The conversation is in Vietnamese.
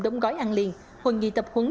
đông gói ăn liền hội nghị tập huấn